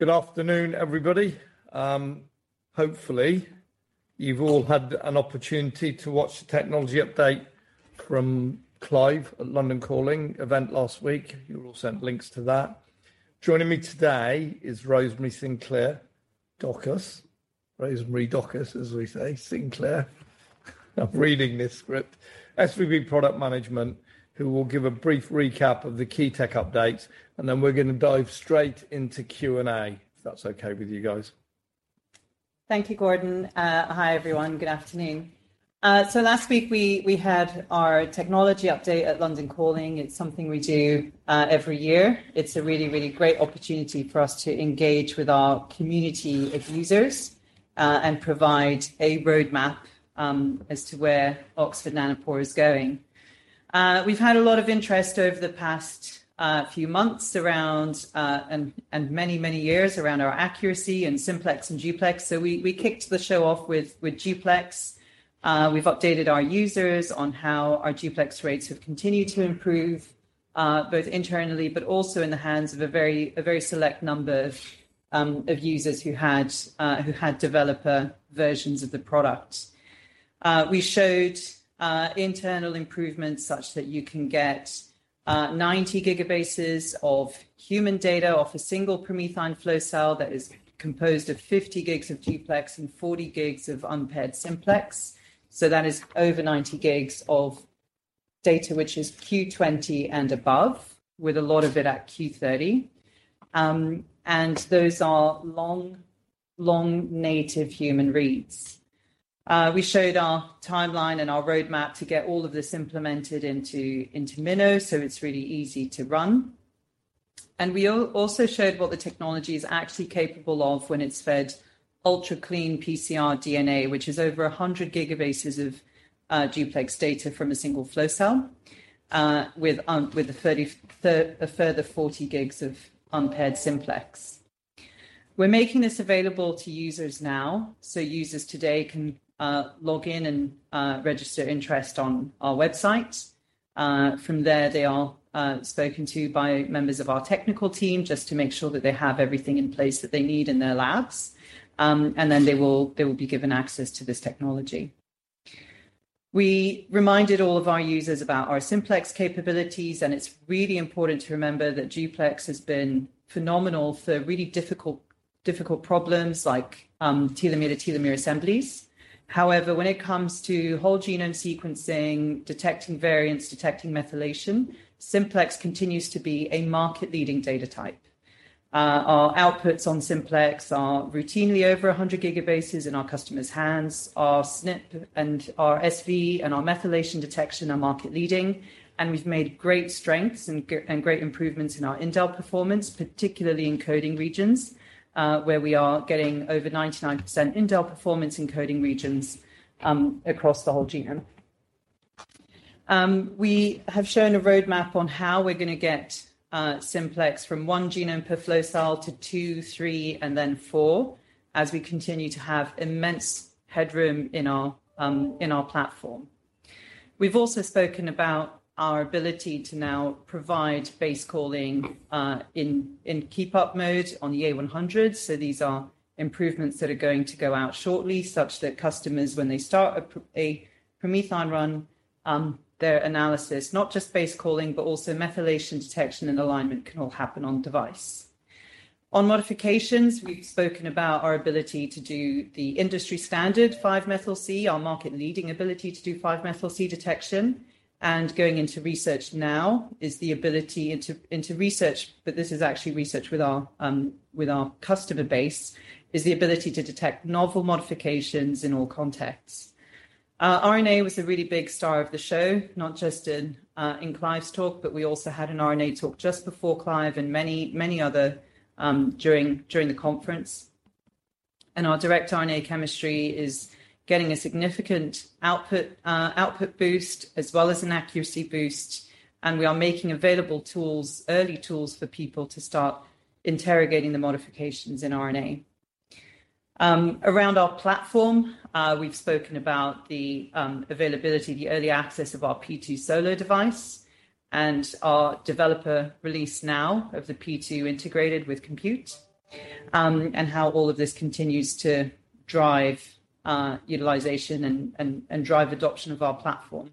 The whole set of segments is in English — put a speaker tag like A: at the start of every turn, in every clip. A: Good afternoon, everybody. Hopefully, you've all had an opportunity to watch the technology update from Clive at London Calling event last week. You were all sent links to that. Joining me today is Rosemary Sinclair Dokos. Rosemary Dokos, as we say. Sinclair. I'm reading this script. SVP Product and Programme Management, who will give a brief recap of the key tech updates, and then we're gonna dive straight into Q&A, if that's okay with you guys.
B: Thank you, Gordon. Hi, everyone. Good afternoon. Last week we had our technology update at London Calling. It's something we do every year. It's a really great opportunity for us to engage with our community of users and provide a roadmap as to where Oxford Nanopore is going. We've had a lot of interest over the past few months around and many years around our accuracy in Simplex and Duplex. We kicked the show off with Duplex. We've updated our users on how our Duplex rates have continued to improve both internally, but also in the hands of a very select number of users who had developer versions of the product. We showed internal improvements such that you can get 90 gigabases of human data off a single PromethION flow cell that is composed of 50 gigs of Duplex and 40 gigs of unpaired Simplex. That is over 90 gigs of data which is Q20 and above, with a lot of it at Q30. Those are long native human reads. We showed our timeline and our roadmap to get all of this implemented into MinKNOW, it's really easy to run. We also showed what the technology is actually capable of when it's fed ultra-clean PCR DNA, which is over 100 gigabases of Duplex data from a single flow cell, with a further 40 gigs of unpaired Simplex. We're making this available to users now. Users today can log in and register interest on our website. From there, they are spoken to by members of our technical team, just to make sure that they have everything in place that they need in their labs. Then they will be given access to this technology. We reminded all of our users about our Simplex capabilities. It's really important to remember that Duplex has been phenomenal for really difficult problems like telomere-to-telomere assemblies. However, when it comes to whole genome sequencing, detecting variants, detecting methylation, Simplex continues to be a market-leading data type. Our outputs on Simplex are routinely over 100 gigabases in our customers' hands. Our SNP and our SV and our methylation detection are market leading, and we've made great strengths and great improvements in our indel performance, particularly in coding regions, where we are getting over 99% indel performance in coding regions, across the whole genome. We have shown a roadmap on how we're gonna get Simplex from one genome per flow cell to two, three, and then four, as we continue to have immense headroom in our platform. We've also spoken about our ability to now provide basecalling in keep up mode on the A100. These are improvements that are going to go out shortly, such that customers, when they start a PromethION run, their analysis, not just basecalling, but also methylation detection and alignment can all happen on device. On modifications, we've spoken about our ability to do the industry standard 5mC, our market-leading ability to do 5mC detection. Going into research now is the ability into research, but this is actually research with our customer base, is the ability to detect novel modifications in all contexts. RNA was a really big star of the show, not just in Clive's talk, but we also had an RNA talk just before Clive and many other during the conference. Our direct RNA chemistry is getting a significant output boost as well as an accuracy boost, and we are making available tools, early tools for people to start interrogating the modifications in RNA. Around our platform, we've spoken about the availability, the early access of our P2 Solo device and our developer release now of the P2 Integrated with Compute, and how all of this continues to drive utilization and drive adoption of our platform.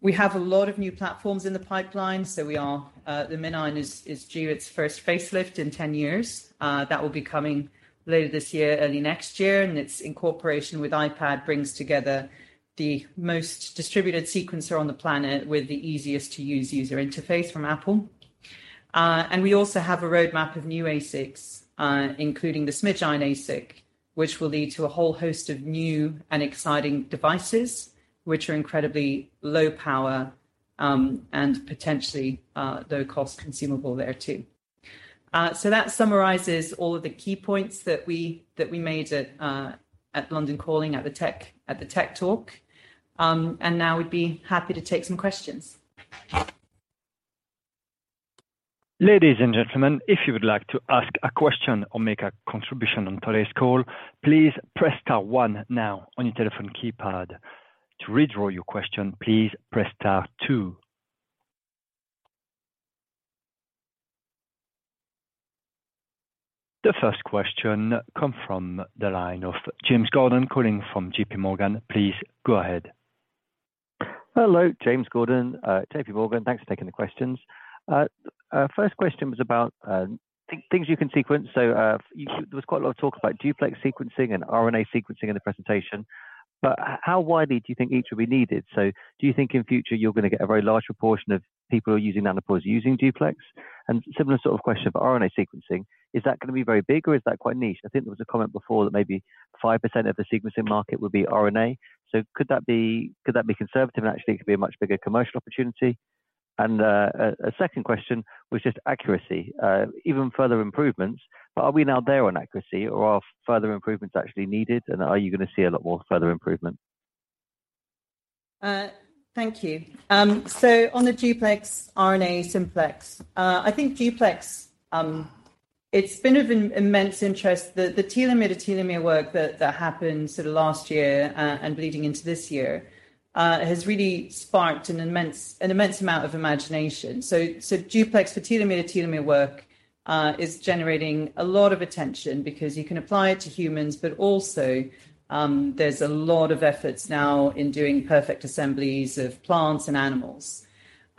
B: We have a lot of new platforms in the pipeline, so we are, the MinION is due its first facelift in 10 years. That will be coming later this year, early next year, and its incorporation with iPad brings together the most distributed sequencer on the planet with the easiest to use user interface from Apple. We also have a roadmap of new ASICs, including the SmidgION ASIC, which will lead to a whole host of new and exciting devices, which are incredibly low power, and potentially, low cost consumable there too. That summarizes all of the key points that we, that we made at London Calling at the tech talk. Now we'd be happy to take some questions.
C: Ladies and gentlemen, if you would like to ask a question or make a contribution on today's call, please press star one now on your telephone keypad. To withdraw your question, please press star two. The first question come from the line of James Gordon calling from JPMorgan. Please go ahead.
D: Hello, James Gordon, JPMorgan. Thanks for taking the questions. Our first question was about things you can sequence. There was quite a lot of talk about Duplex sequencing and RNA sequencing in the presentation, but how widely do you think each will be needed? Do you think in future you're gonna get a very large proportion of people using Nanopore using Duplex? Similar sort of question for RNA sequencing, is that gonna be very big or is that quite niche? I think there was a comment before that maybe 5% of the sequencing market will be RNA. Could that be conservative and actually it could be a much bigger commercial opportunity? A second question was just accuracy, even further improvements, but are we now there on accuracy or are further improvements actually needed, and are you gonna see a lot more further improvement?
B: Thank you. On the Duplex RNA Simplex, I think Duplex, it's been of immense interest. The telomere-to-telomere work that happened sort of last year and bleeding into this year has really sparked an immense amount of imagination. Duplex for telomere-to-telomere work is generating a lot of attention because you can apply it to humans, but also, there's a lot of efforts now in doing perfect assemblies of plants and animals.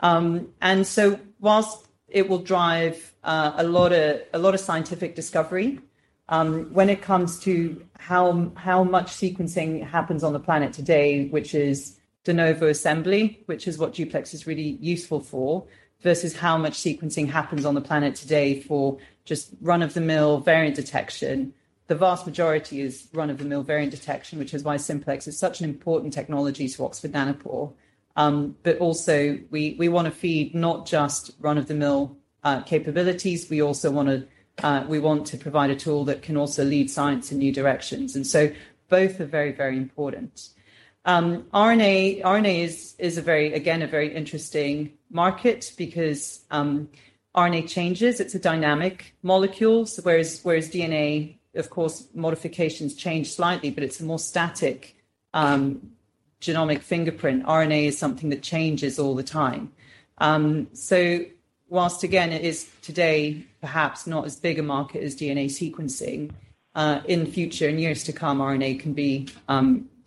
B: Whilst it will drive a lot of scientific discovery, when it comes to how much sequencing happens on the planet today, which is de novo assembly, which is what Duplex is really useful for, versus how much sequencing happens on the planet today for just run-of-the-mill variant detection. The vast majority is run-of-the-mill variant detection, which is why Simplex is such an important technology to Oxford Nanopore. Also we wanna feed not just run-of-the-mill capabilities, we also wanna provide a tool that can also lead science in new directions. Both are very, very important. RNA is a very, again, a very interesting market because RNA changes, it's a dynamic molecule, whereas DNA, of course, modifications change slightly, but it's a more static genomic fingerprint. RNA is something that changes all the time. Whilst again it is today perhaps not as big a market as DNA sequencing, in the future, in years to come, RNA can be,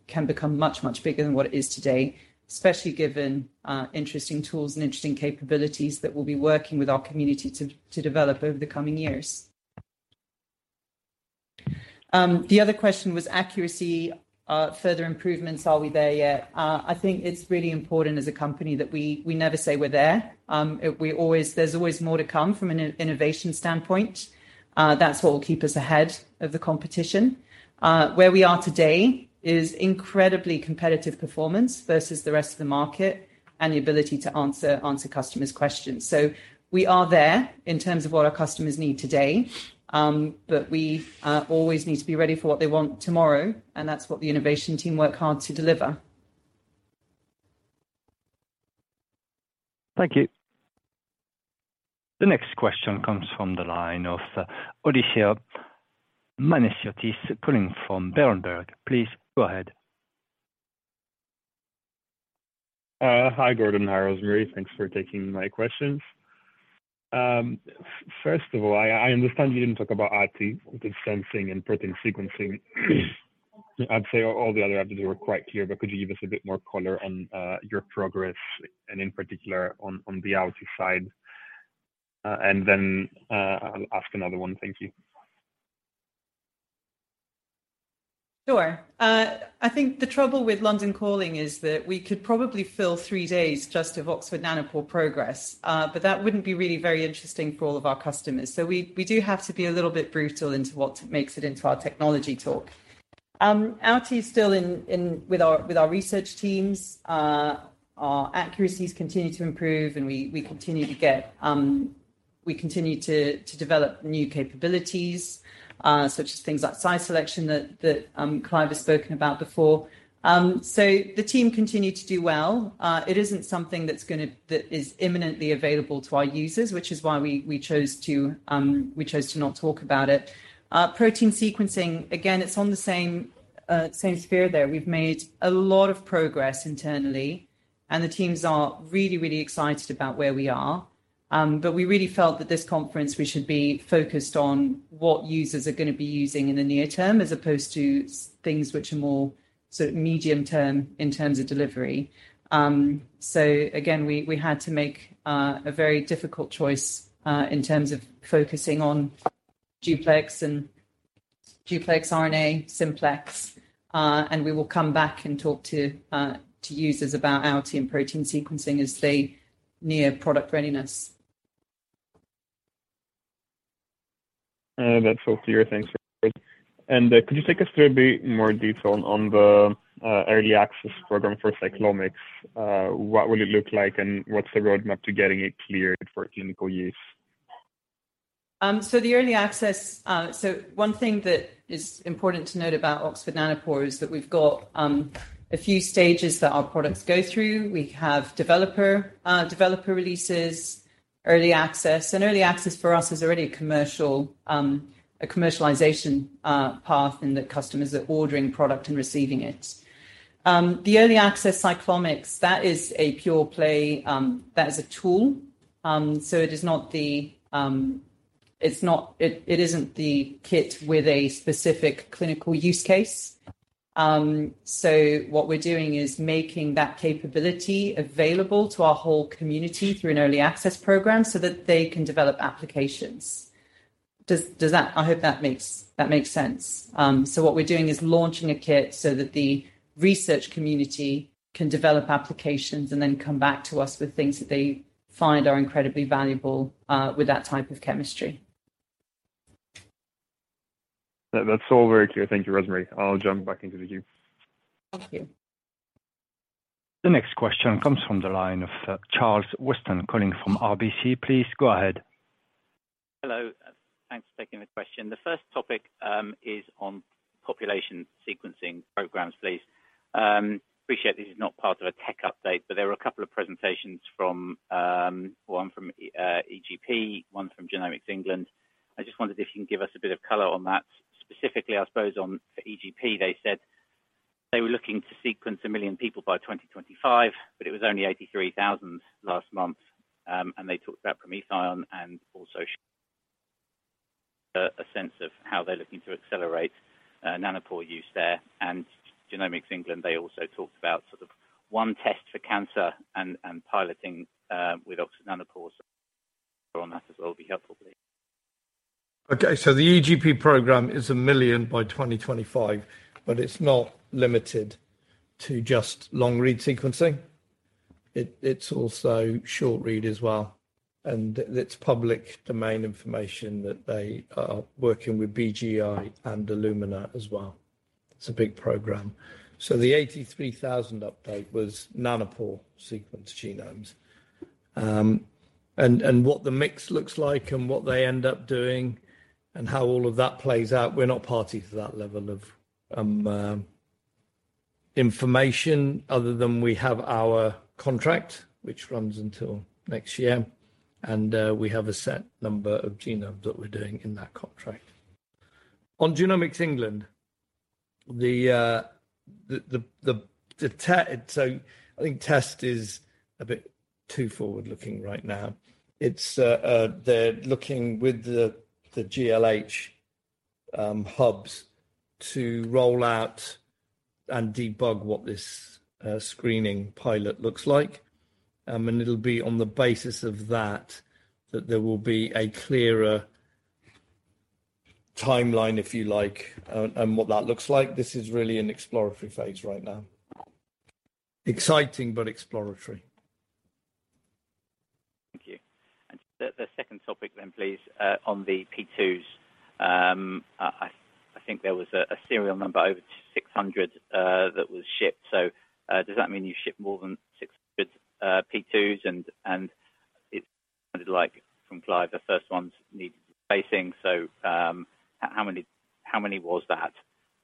B: can become much, much bigger than what it is today, especially given, interesting tools and interesting capabilities that we'll be working with our community to develop over the coming years. The other question was accuracy, further improvements, are we there yet? I think it's really important as a company that we never say we're there. There's always more to come from an innovation standpoint, that's what will keep us ahead of the competition. Where we are today is incredibly competitive performance versus the rest of the market and the ability to answer customers' questions. We are there in terms of what our customers need today, but we always need to be ready for what they want tomorrow, and that's what the innovation team work hard to deliver.
C: Thank you. The next question comes from the line of Odysseas Manesiotis calling from Berenberg. Please go ahead.
E: Hi Gordon. Hi Rosemary. Thanks for taking my questions. First of all, I understand you didn't talk about RNA, the sensing and protein sequencing. I'd say all the other avenues were quite clear, but could you give us a bit more color on your progress and in particular on the RT side? Then, I'll ask another one. Thank you.
B: Sure. I think the trouble with London Calling is that we could probably fill three days just of Oxford Nanopore progress, but that wouldn't be really very interesting for all of our customers. We, we do have to be a little bit brutal into what makes it into our technology talk. RT is still in with our research teams. Our accuracies continue to improve, and we continue to get, we continue to develop new capabilities, such as things like size selection that Clive has spoken about before. The team continue to do well. It isn't something that is imminently available to our users, which is why we chose to, we chose to not talk about it. Protein sequencing, again, it's on the same sphere there. We've made a lot of progress internally, and the teams are really, really excited about where we are. We really felt that this conference we should be focused on what users are gonna be using in the near term as opposed to things which are more sort of medium term in terms of delivery. Again we had to make a very difficult choice in terms of focusing on Duplex and Duplex RNA, Simplex, and we will come back and talk to users about our team protein sequencing as they near product readiness.
E: That's all clear. Thanks. Could you take us through a bit more detail on the early access program for CyclomicsSeq? What will it look like, and what's the roadmap to getting it cleared for clinical use?
B: The early access. One thing that is important to note about Oxford Nanopore is that we've got a few stages that our products go through. We have developer releases. Early access for us is already a commercial, a commercialization path in that customers are ordering product and receiving it. The early access Cyclomics, that is a pure play, that is a tool. It is not the, it isn't the kit with a specific clinical use case. What we're doing is making that capability available to our whole community through an early access program so that they can develop applications. Does that? I hope that makes sense. What we're doing is launching a kit so that the research community can develop applications and then come back to us with things that they find are incredibly valuable with that type of chemistry.
E: That's all very clear. Thank you, Rosemary. I'll jump back into the queue.
B: Thank you.
C: The next question comes from the line of, Charles Weston calling from RBC. Please go ahead.
F: Hello. Thanks for taking the question. The first topic, is on population sequencing programs, please. Appreciate this is not part of a tech update, but there were a couple of presentations from, one from EGP, one from Genomics England. I just wondered if you can give us a bit of color on that. Specifically, I suppose on, for EGP, they said they were looking to sequence 1 million people by 2025, but it was only 83,000 last month. They talked about PromethION and also, a sense of how they're looking to accelerate Nanopore use there. Genomics England, they also talked about sort of 1 test for cancer and piloting with Oxford Nanopore. On that as well would be helpful, please.
A: Okay. The EGP program is 1 million by 2025, but it's not limited to just long-read sequencing. It's also short-read as well, and it's public domain information that they are working with BGI and Illumina as well. It's a big program. The 83,000 update was Nanopore sequenced genomes. And what the mix looks like and what they end up doing and how all of that plays out, we're not party to that level of information other than we have our contract, which runs until next year, and we have a set number of genomes that we're doing in that contract. On Genomics England, the so I think test is a bit too forward-looking right now. It's, they're looking with the GLH hubs to roll out and debug what this screening pilot looks like. It'll be on the basis of that there will be a clearer timeline, if you like, and what that looks like. This is really an exploratory phase right now. Exciting, but exploratory.
F: Thank you. The second topic please on the P2s. I think there was a serial number over 600 that was shipped. Does that mean you shipped more than 600 P2s and it sounded like from Clive, the first ones needed replacing. How many was that?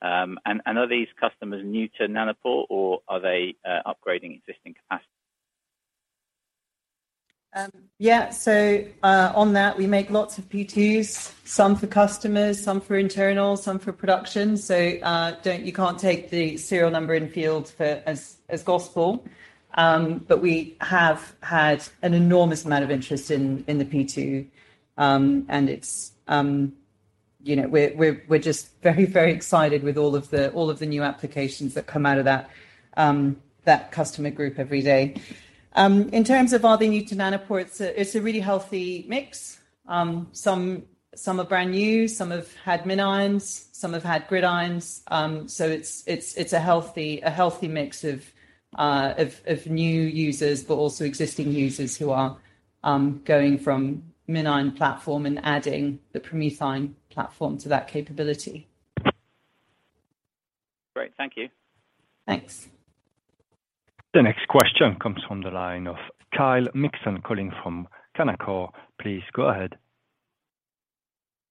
F: Are these customers new to Nanopore, or are they upgrading existing capacity?
B: Yeah. On that, we make lots of P2s, some for customers, some for internal, some for production. You can't take the serial number in field for as gospel. We have had an enormous amount of interest in the P2. It's, you know, we're just very, very excited with all of the new applications that come out of that customer group every day. In terms of are they new to Nanopore, it's a really healthy mix. Some are brand new, some have had MinIONs, some have had GridIONs. It's a healthy mix of new users, but also existing users who are going from MinION platform and adding the PromethION platform to that capability.
F: Great. Thank you.
B: Thanks.
C: The next question comes from the line of Kyle Mikson calling from Canaccord. Please go ahead.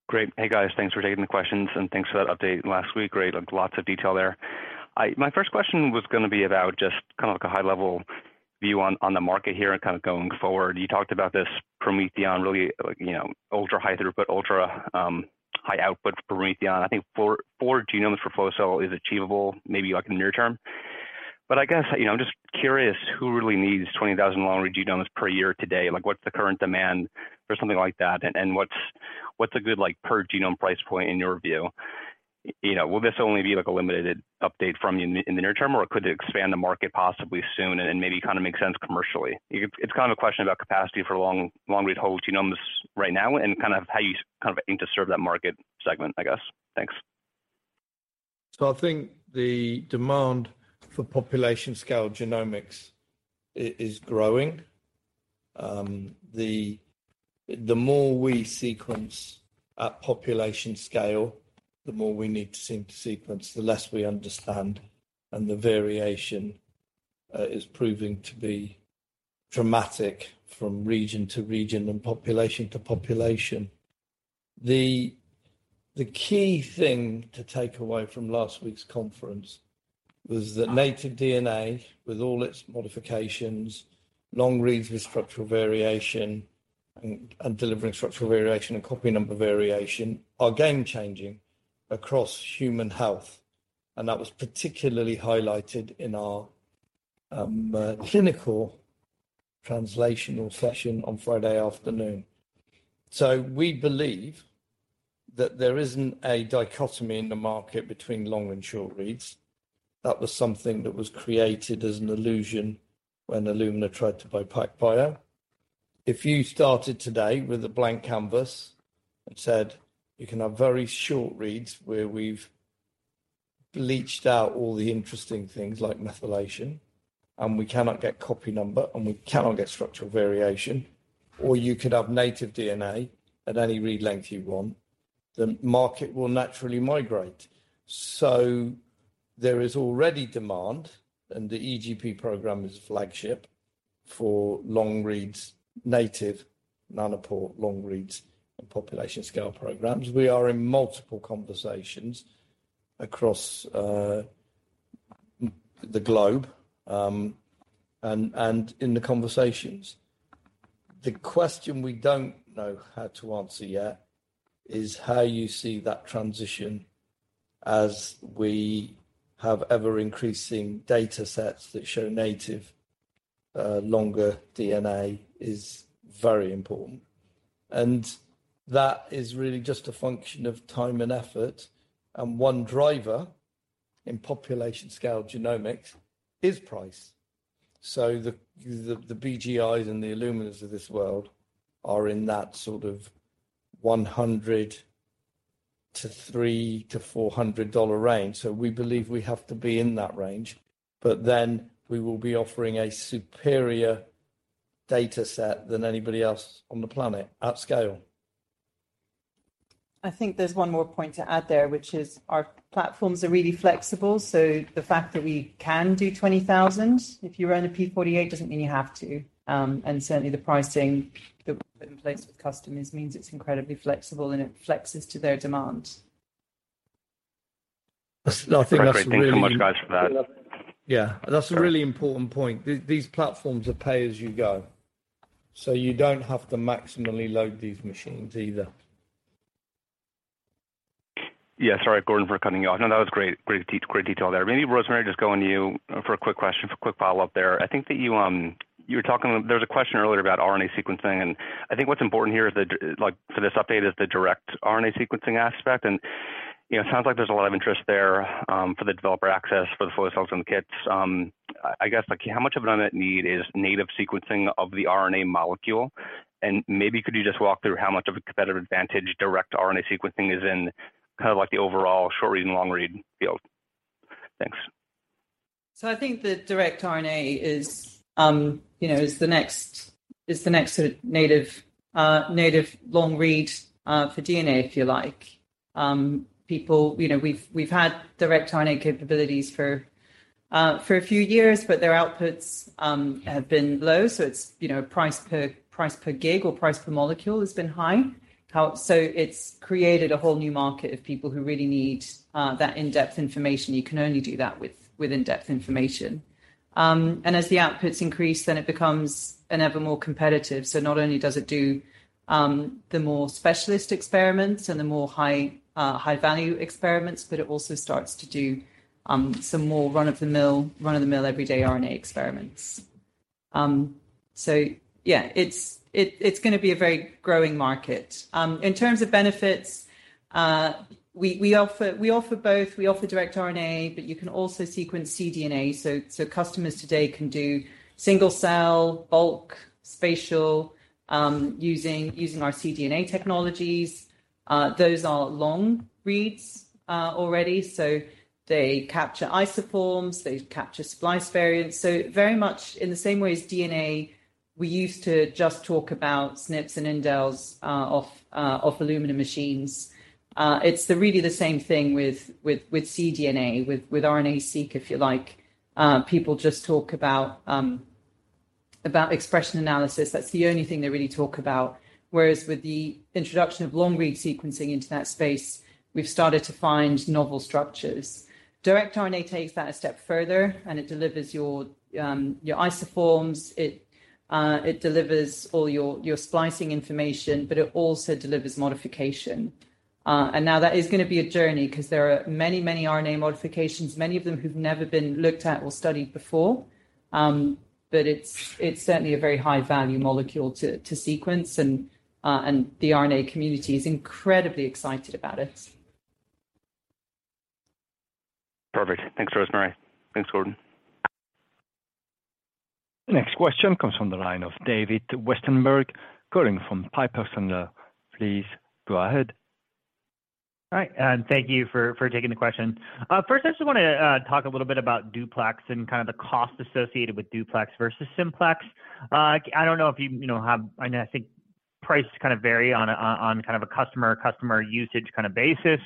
G: Great. Hey, guys. Thanks for taking the questions and thanks for that update last week. Great. Lots of detail there. My first question was gonna be about just kind of like a high-level view on the market here and kind of going forward. You talked about this PromethION really, like, you know, ultra-high throughput, ultra, high output for PromethION. I think 4 genomes for flow cell is achievable, maybe like in the near term. I guess, you know, just curious, who really needs 20,000 long-read genomes per year today? Like, what's the current demand for something like that and what's a good, like, per genome price point in your view? You know, will this only be like a limited update from you in the near term, or could it expand the market possibly soon and maybe kind of make sense commercially? It's kind of a question about capacity for long-read whole genomes right now and kind of how you kind of aim to serve that market segment, I guess. Thanks.
A: I think the demand for population scale genomics is growing. The more we sequence at population scale, the more we need to sequence, the less we understand, and the variation is proving to be dramatic from region to region and population to population. The key thing to take away from last week's conference was that native DNA with all its modifications, long reads with structural variation and delivering structural variation and copy number variation are game-changing across human health. That was particularly highlighted in our clinical translational session on Friday afternoon. We believe that there isn't a dichotomy in the market between long and short reads. That was something that was created as an illusion when Illumina tried to buy PacBio. If you started today with a blank canvas and said, "You can have very short reads where we've bleached out all the interesting things like methylation, and we cannot get copy number, and we cannot get structural variation, or you could have native DNA at any read length you want," the market will naturally migrate. There is already demand, and the EGP program is a flagship for long reads, native Nanopore long reads and population scale programs. We are in multiple conversations across the globe and in the conversations. The question we don't know how to answer yet is how you see that transition as we have ever-increasing data sets that show native longer DNA is very important. That is really just a function of time and effort, and one driver in population scale genomics is price. The BGI and the Illumina of this world are in that sort of $100 to $300-$400 range. We believe we have to be in that range, we will be offering a superior data set than anybody else on the planet at scale.
B: I think there's one more point to add there, which is our platforms are really flexible, so the fact that we can do 20,000 if you run a P48 doesn't mean you have to. Certainly the pricing that we've put in place with customers means it's incredibly flexible, and it flexes to their demands.
A: I think that's a
G: Great. Thanks so much, guys, for that.
A: Yeah. That's a really important point. These platforms are pay-as-you-go. You don't have to maximally load these machines either.
G: Yeah. Sorry, Gordon, for cutting you off. No, that was great detail there. Maybe Rosemary, just going to you for a quick question, for a quick follow-up there. I think that there was a question earlier about RNA sequencing. I think what's important here is like, for this update is the direct RNA sequencing aspect. You know, it sounds like there's a lot of interest there for the developer access, for the flow cells and the kits. I guess, like, how much of a net need is native sequencing of the RNA molecule? Maybe could you just walk through how much of a competitive advantage direct RNA sequencing is in kind of like the overall short read and long read field? Thanks.
B: I think the direct RNA is, you know, is the next sort of native long read for DNA, if you like. People you know, we've had direct RNA capabilities for a few years, but their outputs have been low. It's, you know, price per gig or price per molecule has been high. It's created a whole new market of people who really need that in-depth information. You can only do that with in-depth information. As the outputs increase, then it becomes an ever more competitive. Not only does it do the more specialist experiments and the more high value experiments, but it also starts to do some more run-of-the-mill everyday RNA experiments. Yeah, it's gonna be a very growing market. In terms of benefits, we offer both. We offer direct RNA, but you can also sequence cDNA. Customers today can do single-cell, bulk, spatial, using our cDNA technologies. Those are long reads already. They capture isoforms, they capture splice variants. Very much in the same way as DNA, we used to just talk about SNPs and indels off Illumina machines. It's really the same thing with cDNA, with RNA-Seq, if you like. People just talk about expression analysis. That's the only thing they really talk about. With the introduction of long read sequencing into that space, we've started to find novel structures. Direct RNA takes that a step further, and it delivers your isoforms. It delivers all your splicing information, but it also delivers modification. Now that is gonna be a journey because there are many, many RNA modifications, many of them who've never been looked at or studied before. It's certainly a very high value molecule to sequence, and the RNA community is incredibly excited about it.
G: Perfect. Thanks, Rosemary. Thanks, Gordon.
C: Next question comes from the line of David Westenberg calling from Piper Sandler. Please go ahead.
H: All right. Thank you for taking the question. First I just wanna talk a little bit about Duplex and kind of the cost associated with Duplex versus Simplex. I don't know if you know, I know, I think prices kind of vary on a kind of a customer usage kind of basis.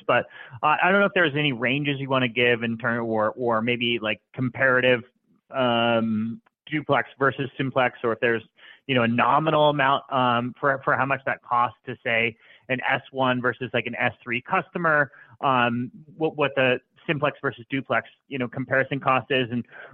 H: I don't know if there's any ranges you want to give in term or maybe like comparative Duplex versus Simplex, or if there's, you know, a nominal amount for how much that costs to, say, an S1 versus, like, an S3 customer. What the Simplex versus Duplex, you know, comparison cost is.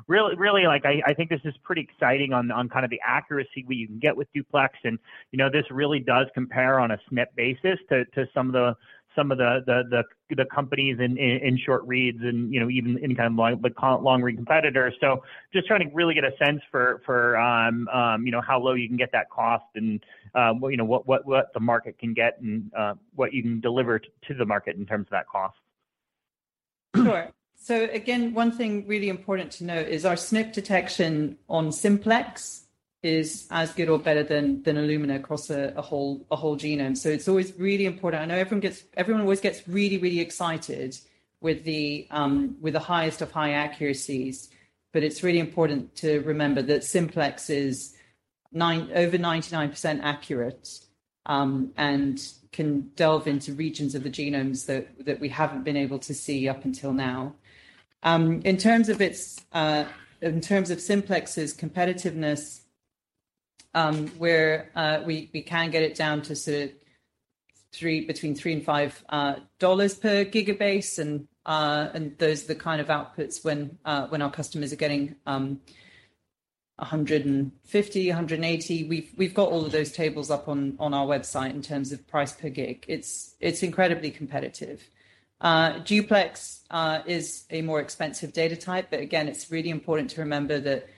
H: Really, like, I think this is pretty exciting on kind of the accuracy we can get with Duplex. You know, this really does compare on a SNP basis to some of the companies in short reads and, you know, even any kind of long, like, long read competitor. Just trying to really get a sense for, you know, how low you can get that cost and what, you know, what the market can get and what you can deliver to the market in terms of that cost.
B: Again, one thing really important to note is our SNP detection on Simplex is as good or better than Illumina across a whole genome. It's always really important. I know everyone always gets really excited with the highest of high accuracies. It's really important to remember that Simplex is over 99% accurate and can delve into regions of the genomes that we haven't been able to see up until now. In terms of its, in terms of Simplex's competitiveness, we can get it down to sort of between $3 and $5 per gigabase. Those are the kind of outputs when our customers are getting 150, 180. We've got all of those tables up on our website in terms of price per gig. It's incredibly competitive. Duplex is a more expensive data type, but again, it's really important to remember that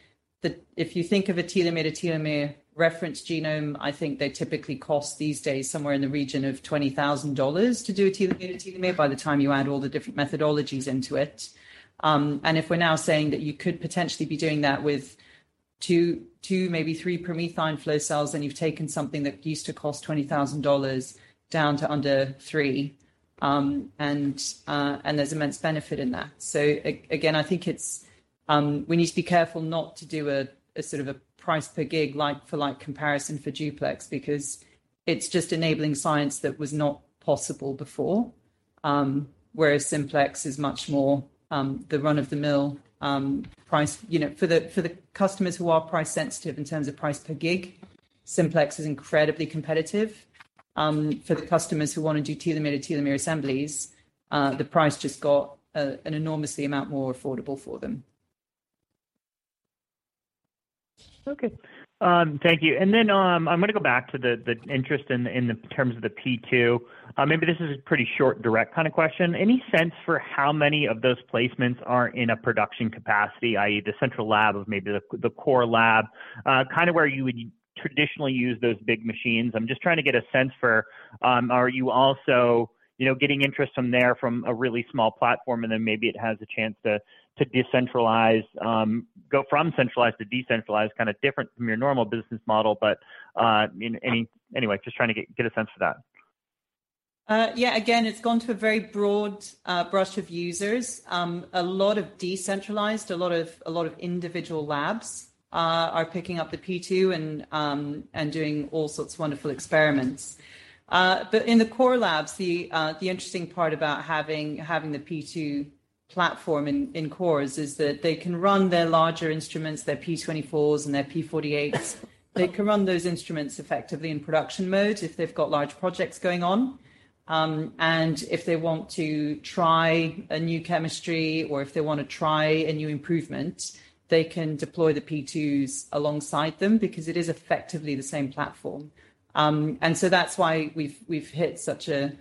B: the if you think of a telomere-to-telomere reference genome, I think they typically cost these days somewhere in the region of $20,000 to do a telomere-to-telomere by the time you add all the different methodologies into it. If we're now saying that you could potentially be doing that with two, maybe three PromethION flow cells, then you've taken something that used to cost $20,000 down to under $3. There's immense benefit in that. Again, I think it's, we need to be careful not to do a sort of a price per gig like for like comparison for Duplex because it's just enabling science that was not possible before. Whereas Simplex is much more the run-of-the-mill price. You know, for the customers who are price sensitive in terms of price per gig, Simplex is incredibly competitive. For the customers who wanna do telomere-to-telomere assemblies, the price just got an enormously amount more affordable for them.
H: Okay. Thank you. Then, I'm gonna go back to the interest in the terms of the P2. Maybe this is a pretty short, direct kind of question. Any sense for how many of those placements are in a production capacity, i.e., the central lab of maybe the core lab, kind of where you would traditionally use those big machines? I'm just trying to get a sense for, are you also, you know, getting interest from there from a really small platform, and then maybe it has a chance to decentralize, go from centralized to decentralized, kind of different from your normal business model? I mean, anyway, just trying to get a sense for that.
B: Yeah, again, it's gone to a very broad brush of users. A lot of decentralized, a lot of individual labs are picking up the P2 and doing all sorts of wonderful experiments. But in the core labs, the interesting part about having the P2 platform in cores is that they can run their larger instruments, their P24s and their P48s. They can run those instruments effectively in production mode if they've got large projects going on. If they want to try a new chemistry or if they wanna try a new improvement, they can deploy the P2s alongside them because it is effectively the same platform. That's why we've hit such a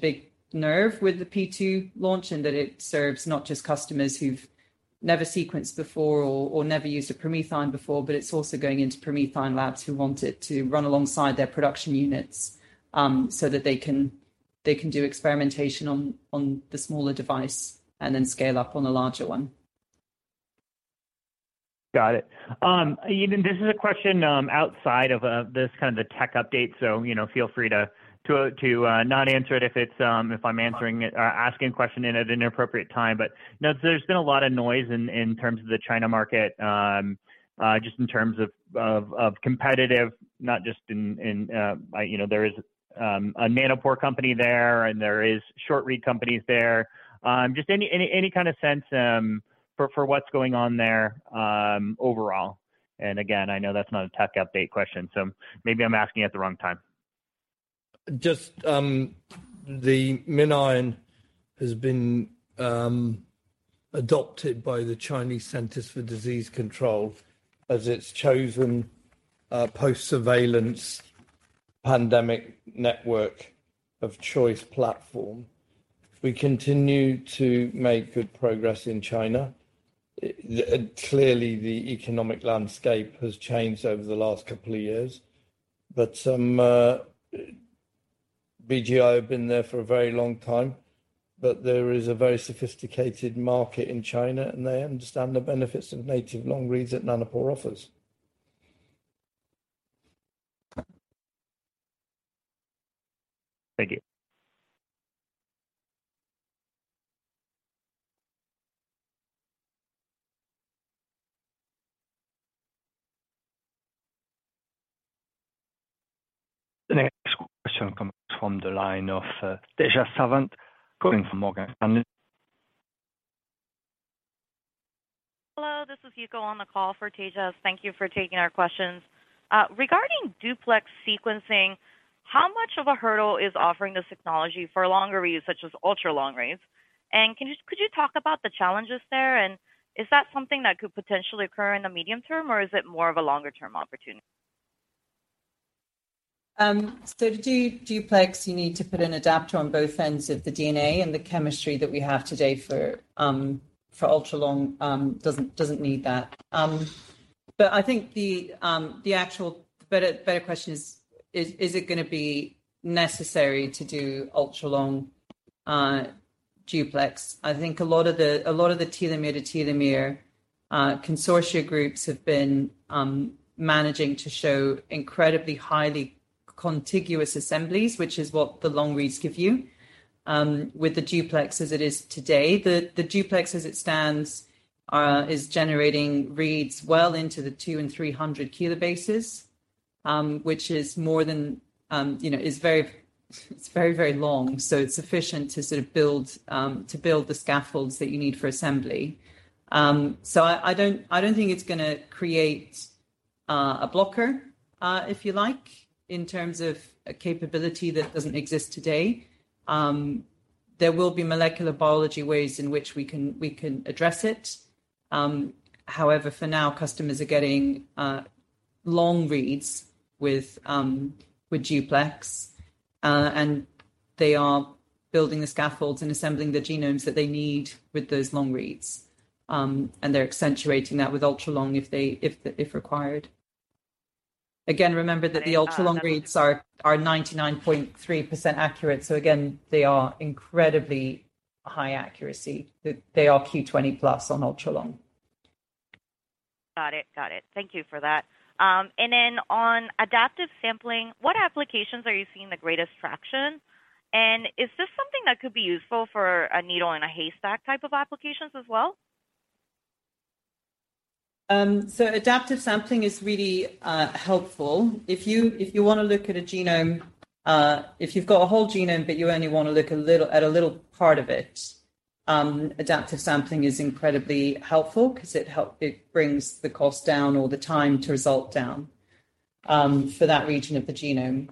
B: big nerve with the P2 launch in that it serves not just customers who've never sequenced before or never used a PromethION before, but it's also going into PromethION labs who want it to run alongside their production units, so that they can do experimentation on the smaller device and then scale up on a larger one.
H: Got it. Ian, this is a question outside of this kind of the tech update, so, you know, feel free to not answer it if it's if I'm answering it or asking a question in at an inappropriate time. You know, there's been a lot of noise in terms of the China market just in terms of competitive, not just in, you know, there is a nanopore company there and there is short read companies there. Just any kind of sense for what's going on there overall. Again, I know that's not a tech update question, so maybe I'm asking at the wrong time.
A: Just, the MinION has been adopted by the Chinese Centers for Disease Control as its chosen post-surveillance pandemic network of choice platform. We continue to make good progress in China. Clearly, the economic landscape has changed over the last couple of years. BGI have been there for a very long time, but there is a very sophisticated market in China, and they understand the benefits of native long reads that Nanopore offers.
H: Thank you.
C: The next question comes from the line of Tejas Savant, calling from Morgan Stanley.
I: Hello, this is Yuko on the call for Tejas. Thank you for taking our questions. Regarding Duplex sequencing, how much of a hurdle is offering this technology for longer reads, such as ultra long reads? Could you talk about the challenges there, and is that something that could potentially occur in the medium term or is it more of a longer-term opportunity?
B: To do Duplex, you need to put an adapter on both ends of the DNA, and the chemistry that we have today for ultra-long doesn't need that. I think the actual better question is it gonna be necessary to do ultra-long Duplex? I think a lot of the telomere-to-telomere consortia groups have been managing to show incredibly highly contiguous assemblies, which is what the long reads give you with the Duplex as it is today. The Duplex as it stands is generating reads well into the 200 and 300 kilobases, which is more than, you know, it's very long. It's sufficient to sort of build to build the scaffolds that you need for assembly. I don't think it's gonna create a blocker, if you like, in terms of a capability that doesn't exist today. There will be molecular biology ways in which we can address it. However, for now, customers are getting long reads with Duplex, and they are building the scaffolds and assembling the genomes that they need with those long reads. They're accentuating that with ultra-long if required. Again, remember that the ultra-long reads are 99.3% accurate. Again, they are incredibly high accuracy. They are Q20+ on ultra-long.
I: Got it. Thank you for that. Then on adaptive sampling, what applications are you seeing the greatest traction? Is this something that could be useful for a needle in a haystack type of applications as well?
B: adaptive sampling is really helpful. If you, if you wanna look at a genome, if you've got a whole genome, but you only wanna look at a little part of it, adaptive sampling is incredibly helpful 'cause it brings the cost down or the time to result down for that region of the genome.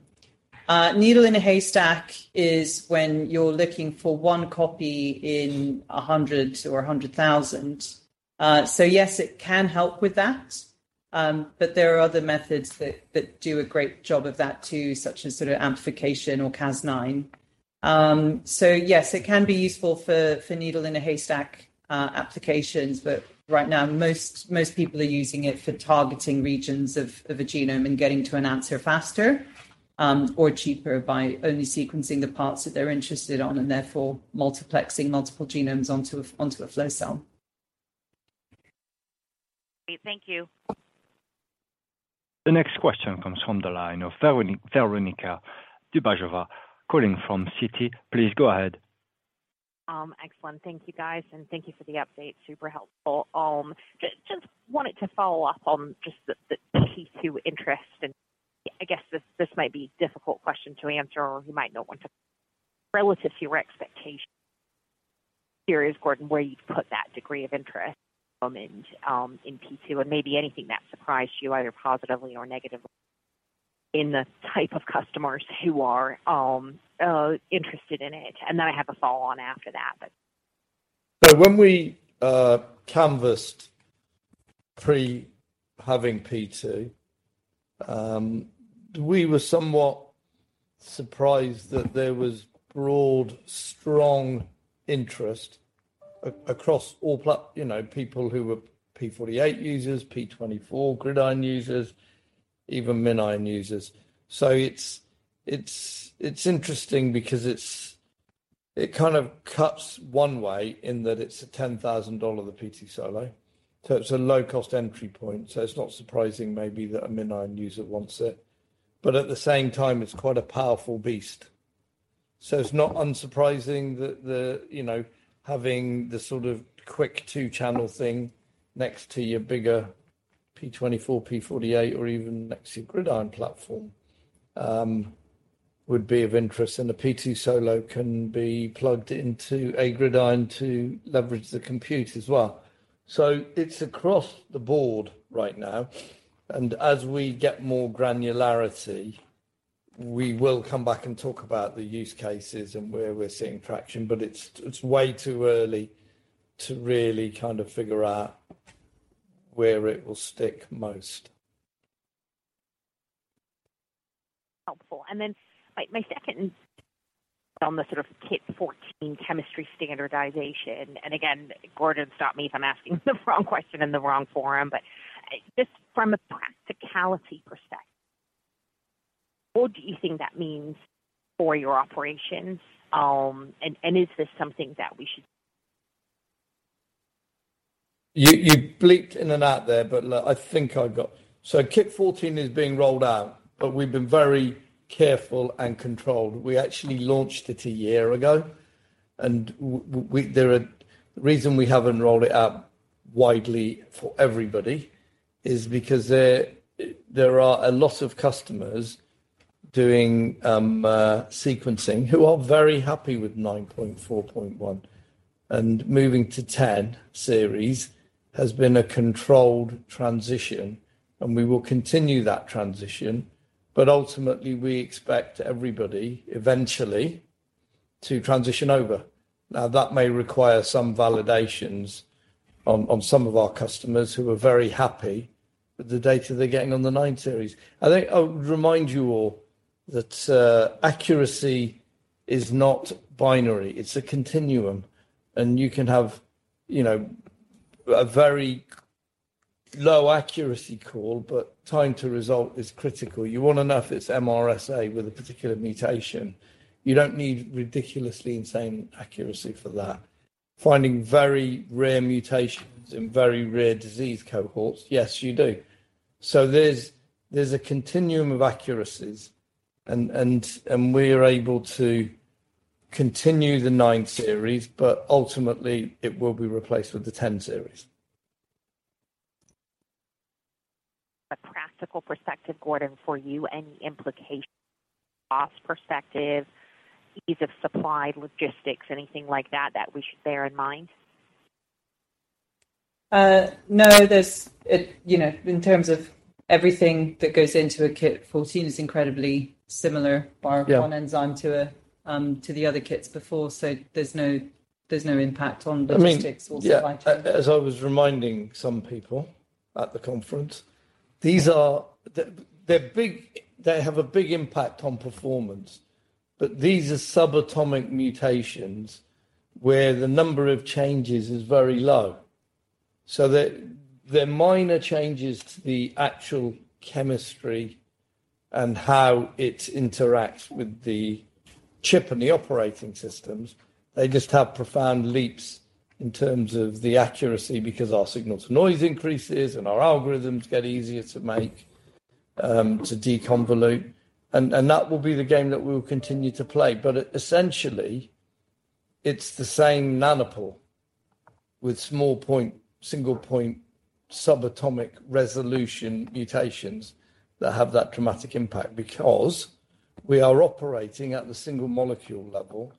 B: Needle in a haystack is when you're looking for one copy in 100 or 100,000. Yes, it can help with that, but there are other methods that do a great job of that too, such as sort of amplification or Cas9. Yes, it can be useful for needle in a haystack, applications, but right now most people are using it for targeting regions of a genome and getting to an answer faster, or cheaper by only sequencing the parts that they're interested on and therefore multiplexing multiple genomes onto a flow cell.
I: Thank you.
C: The next question comes from the line of Veronika Dubajova, calling from Citi. Please go ahead.
J: Excellent. Thank you guys, and thank you for the update. Super helpful. Just wanted to follow up on just the P2 interest and I guess this might be a difficult question to answer or you might not want to. Relative to your expectations, here is, Gordon, where you'd put that degree of interest in P2 and maybe anything that surprised you either positively or negatively in the type of customers who are interested in it. I have a follow on after that, but.
A: When we canvassed pre having P2, we were somewhat surprised that there was broad, strong interest across all, you know, people who were P48 users, P24 GridION users, even MinION users. It's interesting because it's, it kind of cuts one way in that it's a $10,000, the P2 Solo. It's a low-cost entry point. It's not surprising maybe that a MinION user wants it. At the same time, it's quite a powerful beast. It's not unsurprising that the, you know, having the sort of quick two-channel thing next to your bigger P24, P48 or even next to your GridION platform would be of interest. The P2 Solo can be plugged into a GridION to leverage the compute as well. It's across the board right now. As we get more granularity, we will come back and talk about the use cases and where we're seeing traction, but it's way too early to really kind of figure out where it will stick most.
J: Helpful. My second is on the sort of Kit 14 chemistry standardization. Again, Gordon, stop me if I'm asking the wrong question in the wrong forum. Just from a practicality perspective, what do you think that means for your operations? Is this something that we should.
A: You bleeped in and out there, but I think I got Kit 14 is being rolled out, but we've been very careful and controlled. We actually launched it a year ago. The reason we haven't rolled it out widely for everybody is because there are a lot of customers doing sequencing who are very happy with R9.4.1. Moving to R10 series has been a controlled transition, and we will continue that transition, but ultimately we expect everybody eventually to transition over. That may require some validations on some of our customers who are very happy with the data they're getting on the R9 series. I think I would remind you all that accuracy is not binary. It's a continuum. You can have, you know, a very low accuracy call, but time to result is critical. You wanna know if it's MRSA with a particular mutation. You don't need ridiculously insane accuracy for that. Finding very rare mutations in very rare disease cohorts, yes, you do. There's a continuum of accuracies and we're able to continue the nine series, but ultimately it will be replaced with the ten series.
J: A practical perspective, Gordon, for you, any implications, cost perspective, ease of supply, logistics, anything like that that we should bear in mind?
B: No, there's, you know, in terms of everything that goes into a Kit 14 is incredibly similar.
A: Yeah.
B: Bar one enzyme to a, to the other kits before. There's no impact on logistics or supply chain.
A: I mean, yeah. As I was reminding some people at the conference, They're big, they have a big impact on performance, but these are subatomic mutations where the number of changes is very low. they're minor changes to the actual chemistry and how it interacts with the chip and the operating systems. They just have profound leaps in terms of the accuracy because our signal-to-noise increases and our algorithms get easier to make to deconvolute. that will be the game that we'll continue to play. essentially, it's the same Nanopore with small point, single point subatomic resolution mutations that have that dramatic impact because we are operating at the single molecule level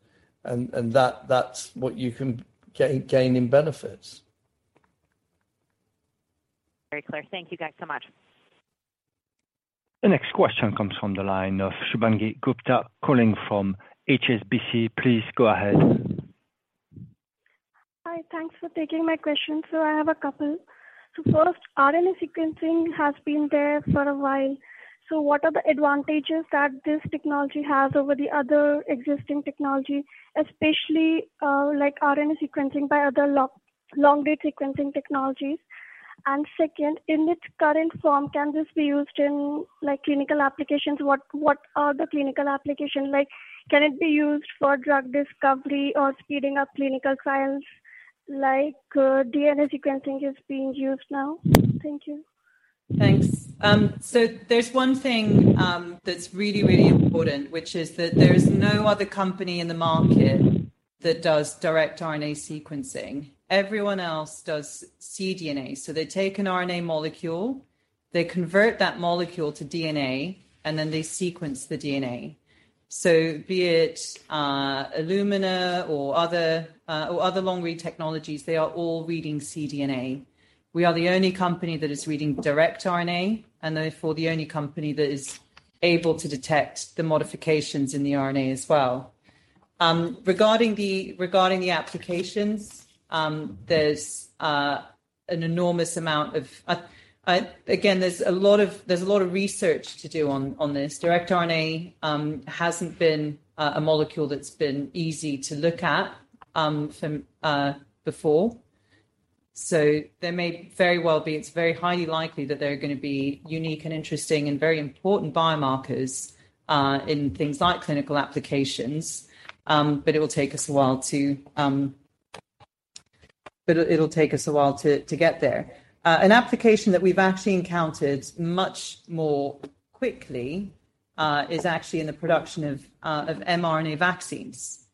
A: and that's what you can gain in benefits.
J: Very clear. Thank you guys so much.
C: The next question comes from the line of Shubhangi Gupta calling from HSBC. Please go ahead.
K: Hi. Thanks for taking my question. I have a couple. First, RNA sequencing has been there for a while. What are the advantages that this technology has over the other existing technology, especially, like RNA sequencing by other long-read sequencing technologies? Second, in its current form, can this be used in like clinical applications? What are the clinical application? Like, can it be used for drug discovery or speeding up clinical trials like, DNA sequencing is being used now? Thank you.
B: Thanks. There's one thing that's really, really important, which is that there is no other company in the market that does direct RNA sequencing. Everyone else does cDNA. They take an RNA molecule, they convert that molecule to DNA, and then they sequence the DNA. Be it, Illumina or other or other long read technologies, they are all reading cDNA. We are the only company that is reading direct RNA, and therefore the only company that is able to detect the modifications in the RNA as well. Regarding the, regarding the applications, there's an enormous amount of... Again, there's a lot of research to do on this. Direct RNA hasn't been a molecule that's been easy to look at from before. There may very well be, it's very highly likely that there are gonna be unique and interesting and very important biomarkers in things like clinical applications, but it'll take us a while to get there. An application that we've actually encountered much more quickly is actually in the production of mRNA vaccines.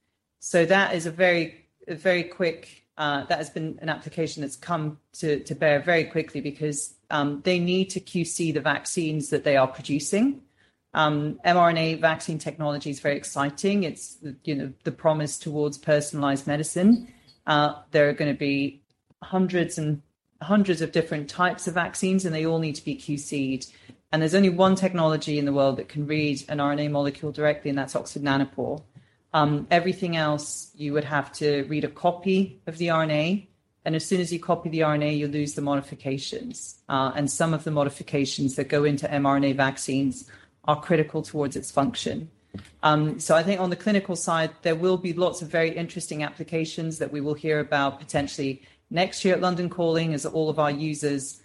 B: That is a very quick that has been an application that's come to bear very quickly because they need to QC the vaccines that they are producing. mRNA vaccine technology is very exciting. It's, you know, the promise towards personalized medicine. There are gonna be hundreds and hundreds of different types of vaccines, and they all need to be QC'd. There's only one technology in the world that can read an RNA molecule directly, and that's Oxford Nanopore. Everything else, you would have to read a copy of the RNA, and as soon as you copy the RNA, you lose the modifications. Some of the modifications that go into mRNA vaccines are critical towards its function. I think on the clinical side, there will be lots of very interesting applications that we will hear about potentially next year at London Calling as all of our users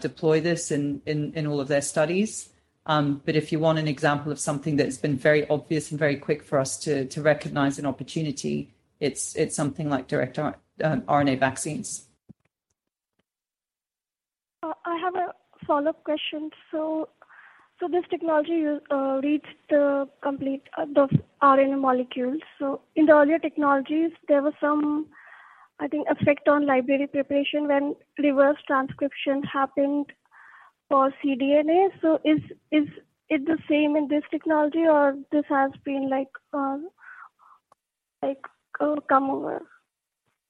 B: deploy this in all of their studies. If you want an example of something that's been very obvious and very quick for us to recognize an opportunity, it's something like direct RNA vaccines.
A: Follow-up question. This technology reads the complete RNA molecules. In the earlier technologies, there were some, I think, effect on library preparation when reverse transcriptions happened for cDNA. Is it the same in this technology or this has been like overcome over?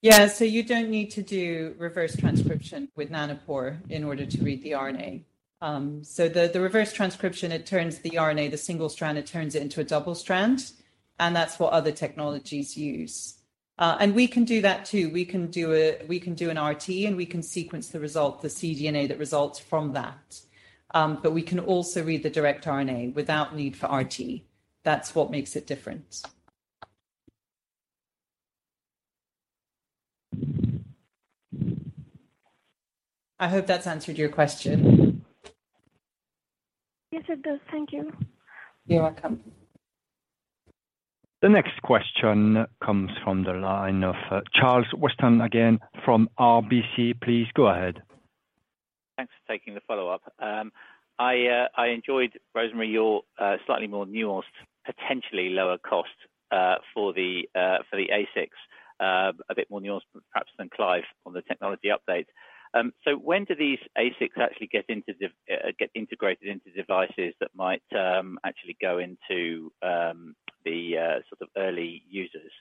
B: Yeah. You don't need to do reverse transcription with Nanopore in order to read the RNA. The reverse transcription, it turns the RNA, the single strand, it turns it into a double strand, and that's what other technologies use. We can do that too. We can do an RT, and we can sequence the result, the cDNA that results from that. We can also read the direct RNA without need for RT. That's what makes it different. I hope that's answered your question.
A: Yes, it does. Thank you.
B: You're welcome.
C: The next question comes from the line of Charles Weston again from RBC. Please go ahead.
F: Thanks for taking the follow-up. I enjoyed, Rosemary, your slightly more nuanced, potentially lower cost for the ASICs. A bit more nuanced perhaps than Clive on the technology update. When do these ASICs actually get integrated into devices that might actually go into the sort of early users?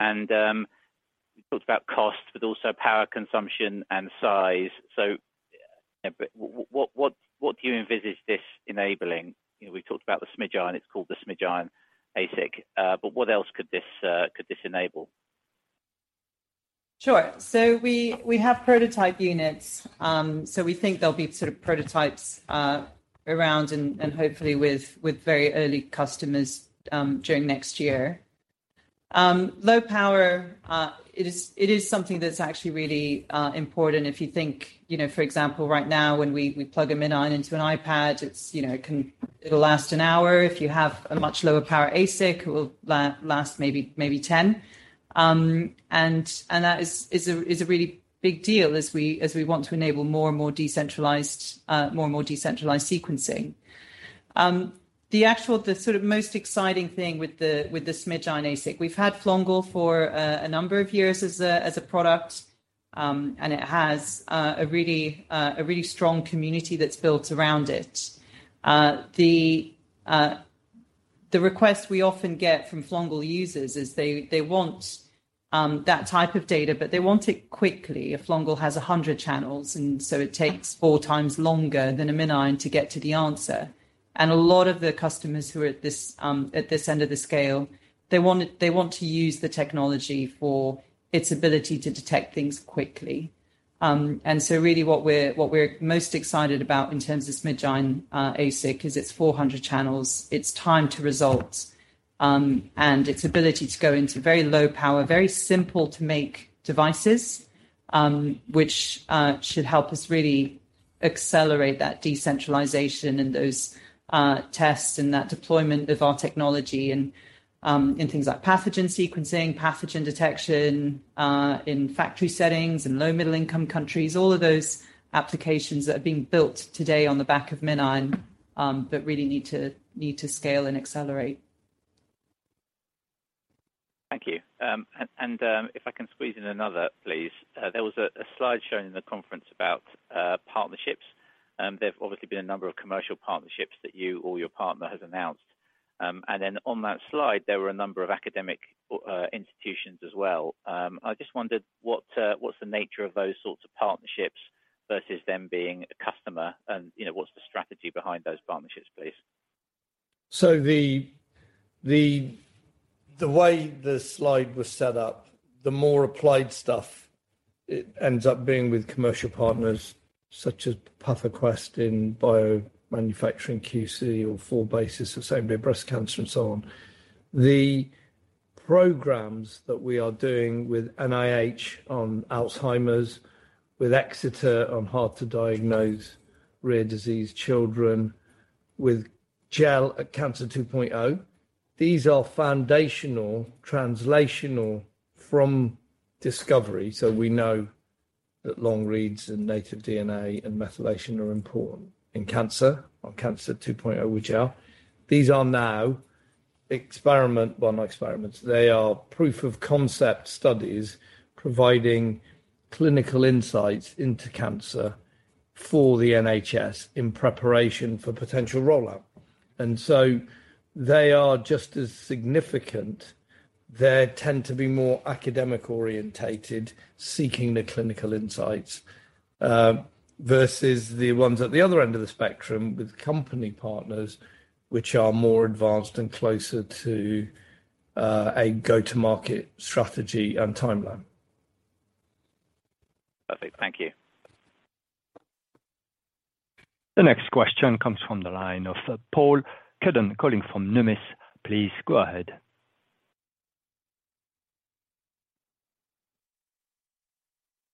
F: You talked about cost, but also power consumption and size. What do you envisage this enabling? You know, we talked about the SmidgION, it's called the SmidgION ASIC, but what else could this enable?
B: Sure. We have prototype units. We think there'll be sort of prototypes around and hopefully with very early customers during next year. Low power, it is something that's actually really important. If you think, you know, for example right now, when we plug a MinION into an iPad, it'll last an hour. If you have a much lower power ASIC, it will last maybe ten. And that is a really big deal as we want to enable more and more decentralized sequencing. The actual, the sort of most exciting thing with the SmidgION ASIC, we've had Flongle for a number of years as a product, and it has a really strong community that's built around it. The request we often get from Flongle users is they want that type of data, but they want it quickly. A Flongle has 100 channels, and so it takes four times longer than a MinION to get to the answer. A lot of the customers who are at this end of the scale, they want to use the technology for its ability to detect things quickly. Really what we're most excited about in terms of SmidgION, ASIC is its 400 channels, its time to results, and its ability to go into very low power, very simple to make devices, which should help us really accelerate that decentralization and those tests and that deployment of our technology in things like pathogen sequencing, pathogen detection, in factory settings and low- and middle-income countries, all of those applications that are being built today on the back of MinION, but really need to scale and accelerate.
F: Thank you. If I can squeeze in another, please. There was a slide shown in the conference about partnerships. There have obviously been a number of commercial partnerships that you or your partner has announced. On that slide, there were a number of academic institutions as well. I just wondered what's the nature of those sorts of partnerships versus them being a customer and, you know, what's the strategy behind those partnerships, please?
A: The way the slide was set up, the more applied stuff ends up being with commercial partners such as Pufferquest in biomanufacturing QC or 4bases for same day breast cancer and so on. The programs that we are doing with NIH on Alzheimer's, with Exeter on hard to diagnose rare disease children, with GEL at Cancer 2.0, these are foundational, translational from discovery. We know that long reads and native DNA and methylation are important in cancer or Cancer 2.0, which are. These are now Well, not experiments. They are proof of concept studies providing clinical insights into cancer for the NHS in preparation for potential rollout. They are just as significant. They tend to be more academic-oriented, seeking the clinical insights, versus the ones at the other end of the spectrum with company partners which are more advanced and closer to a go-to-market strategy and timeline.
F: Perfect. Thank you.
C: The next question comes from the line of Paul Cuddon calling from Numis. Please go ahead.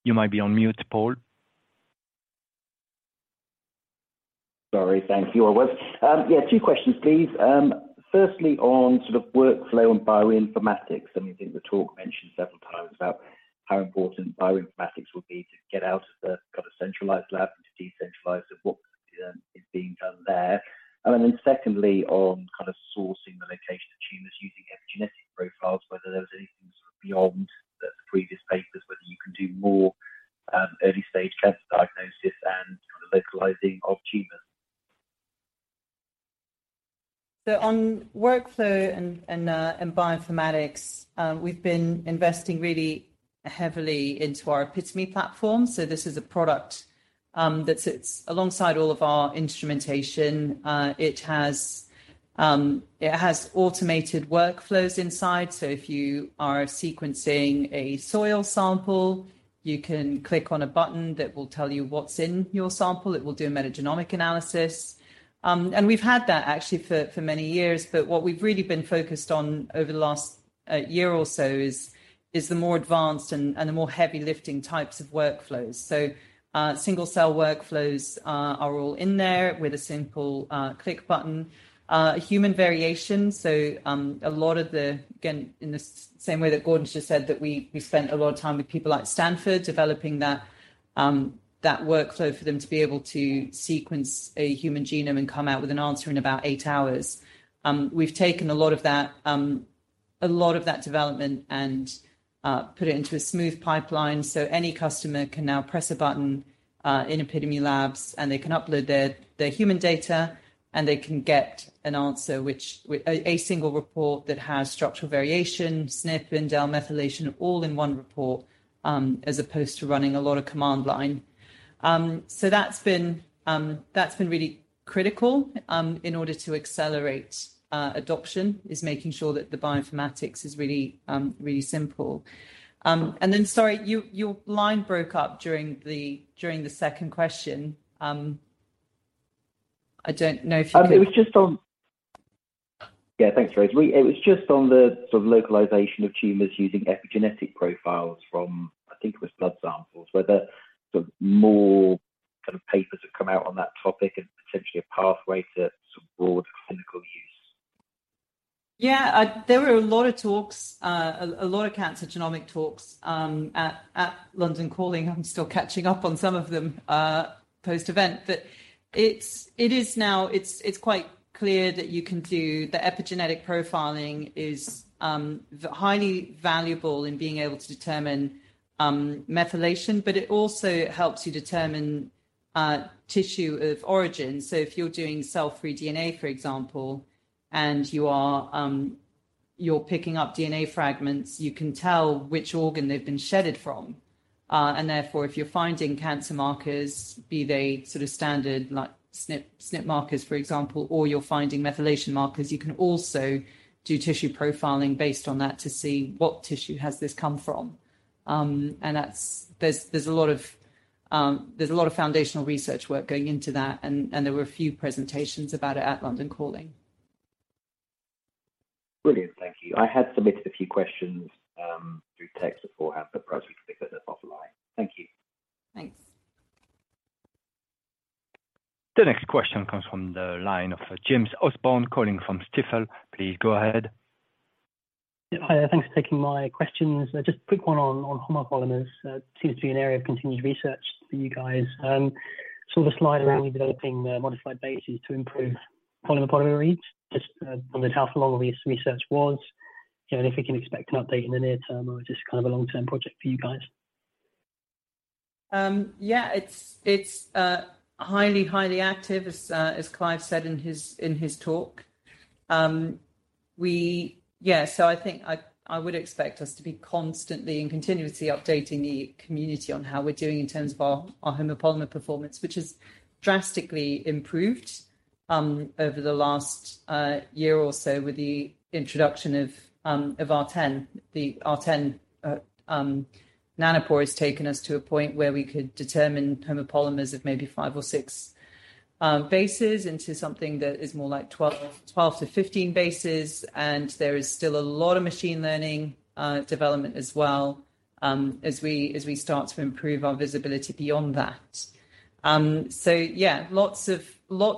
C: You might be on mute, Paul.
L: Sorry. Thank you. I was yeah, two questions, please. Firstly, on sort of workflow and bioinformatics. I mean, I think the talk mentioned several times about how important bioinformatics will be to get out of the kind of centralized lab, to decentralize of what, is being done there. Secondly, on kind of sourcing the location of tumors using epigenetic profiles, whether there was anything sort of beyond the previous papers, whether you can do more, early-stage cancer diagnosis and sort of localizing of tumors.
B: On workflow and bioinformatics, we've been investing really heavily into our Epi2me platform. This is a product that sits alongside all of our instrumentation. It has automated workflows inside. If you are sequencing a soil sample, you can click on a button that will tell you what's in your sample. It will do a metagenomic analysis. We've had that actually for many years. What we've really been focused on over the last year or so is the more advanced and the more heavy lifting types of workflows. Single-cell workflows are all in there with a simple click button. Human variation, a lot of the Again, in the same way that Gordon's just said that we spent a lot of time with people like Stanford developing that workflow for them to be able to sequence a human genome and come out with an answer in about 8 hours. We've taken a lot of that development and put it into a smooth pipeline, so any customer can now press a button in Epi2me Labs, and they can upload their human data, and they can get an answer, a single report that has structural variation, SNP, indel, methylation, all in one report, as opposed to running a lot of command line. That's been really critical in order to accelerate adoption, is making sure that the bioinformatics is really really simple sorry, your line broke up during the, during the second question. I don't know if you could.
L: Yeah. Thanks, Rose. It was just on the sort of localization of tumors using epigenetic profiles from, I think it was blood samples. Were there sort of more kind of papers that come out on that topic and potentially a pathway to sort of broader clinical use?
B: Yeah. There were a lot of talks, a lot of cancer genomic talks at London Calling. I'm still catching up on some of them post-event. It is now, it's quite clear that the epigenetic profiling is highly valuable in being able to determine methylation, but it also helps you determine tissue of origin. If you're doing cell-free DNA, for example, and you are, you're picking up DNA fragments, you can tell which organ they've been shedded from. Therefore, if you're finding cancer markers, be they sort of standard like SNP markers, for example, or you're finding methylation markers, you can also do tissue profiling based on that to see what tissue has this come from. There's a lot of foundational research work going into that, and there were a few presentations about it at London Calling.
L: Brilliant. Thank you. I had submitted a few questions, through text beforehand, but probably because they're offline. Thank you.
B: Thanks.
C: The next question comes from the line of James Orsborne, calling from Stifel. Please go ahead.
M: Yeah. Hi there. Thanks for taking my questions. Just quick one on homopolymers. Seems to be an area of continued research for you guys. Saw the slide around you developing the modified bases to improve polymer reads. Just wondered how far along this research was, you know, and if we can expect an update in the near term or just kind of a long-term project for you guys?
B: Yeah. It's highly active as Clive said in his talk. Yeah. I think I would expect us to be constantly and continuously updating the community on how we're doing in terms of our homopolymer performance, which has drastically improved over the last year or so with the introduction of R10. The R10 Nanopore has taken us to a point where we could determine homopolymers of maybe five or six bases into something that is more like 12 to 15 bases. There is still a lot of machine learning development as well as we start to improve our visibility beyond that. Yeah. Lots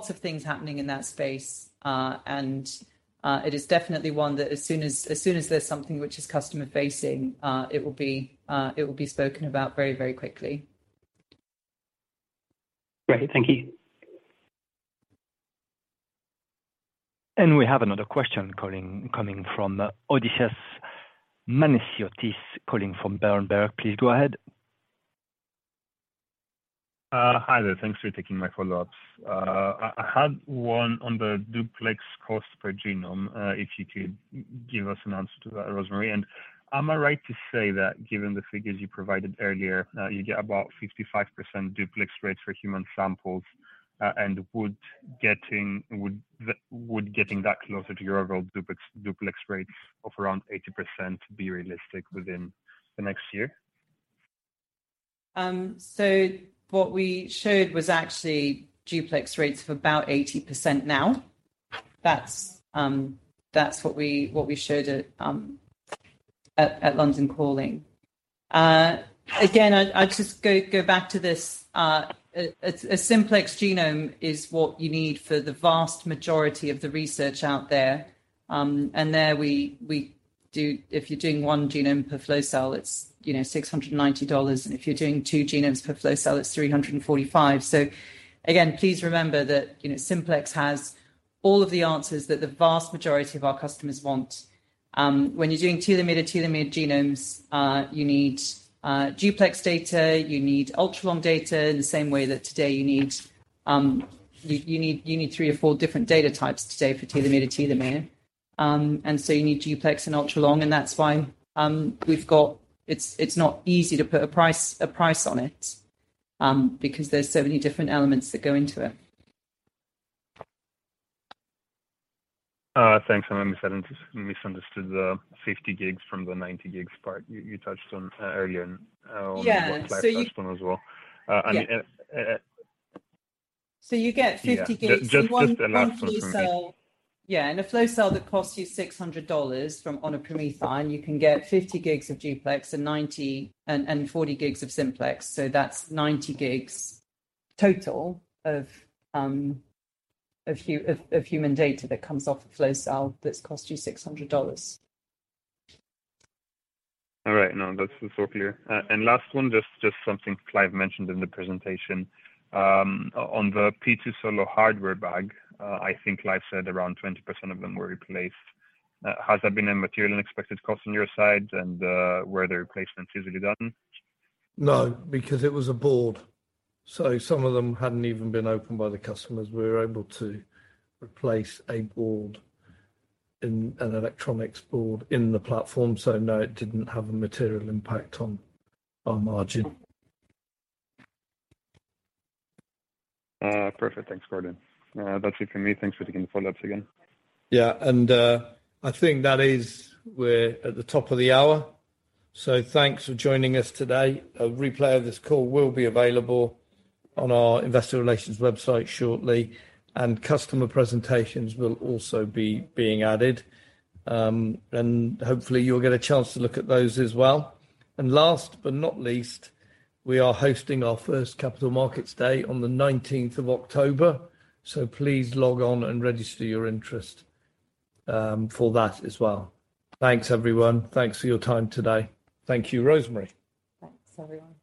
B: of things happening in that space. It is definitely one that as soon as there's something which is customer-facing, it will be spoken about very, very quickly.
M: Great. Thank you.
C: We have another question calling, coming from Odysseas Manesiotis, calling from Berenberg. Please go ahead.
E: Hi there. Thanks for taking my follow-ups. I had one on the Duplex cost per genome, if you could give us an answer to that, Rosemary? Am I right to say that given the figures you provided earlier, you get about 55% Duplex rates for human samples, and would getting that closer to your overall Duplex rates of around 80% be realistic within the next year?
B: What we showed was actually duplex rates of about 80% now. That's what we showed at London Calling. I'd just go back to this. A simplex genome is what you need for the vast majority of the research out there. There if you're doing one genome per flow cell, it's, you know, $690. If you're doing two genomes per flow cell, it's $345. Please remember that, you know, simplex has all of the answers that the vast majority of our customers want. When you're doing telomere-to-telomere genomes, you need Duplex data, you need ultra-long data in the same way that today you need three or four different data types today for telomere-to-telomere. You need Duplex and ultra-long, and that's why we've got. It's not easy to put a price on it, because there's so many different elements that go into it.
E: Thanks. I misunderstood the 50 gigs from the 90 gigs part you touched on earlier.
B: Yeah.
E: on the Simplex one as well. I mean.
B: you get 50 GB
E: Yeah. Just the last one for me.
B: You want one flow cell. Yeah. In a flow cell that costs you $600 on a PromethION, you can get 50 gigs of Duplex and 40 gigs of Simplex. That's 90 gigs total of human data that comes off a flow cell that's cost you $600.
E: All right. No, that's so clear. Last one, just something Clive mentioned in the presentation. On the P2 Solo hardware bag, I think Clive said around 20% of them were replaced. Has that been a material unexpected cost on your side, and were the replacements easily done?
A: No, because it was a board, so some of them hadn't even been opened by the customers. We were able to replace a board in an electronics board in the platform, so no, it didn't have a material impact on our margin.
E: Perfect. Thanks, Gordon. That's it from me. Thanks for taking the follow-ups again.
A: Yeah. I think that is, we're at the top of the hour. Thanks for joining us today. A replay of this call will be available on our investor relations website shortly, and customer presentations will also be, being added. Hopefully, you'll get a chance to look at those as well. Last but not least, we are hosting our first Capital Markets Day on the nineteenth of October. Please log on and register your interest for that as well. Thanks, everyone. Thanks for your time today. Thank you, Rosemary.
B: Thanks, everyone.